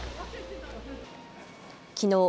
きのう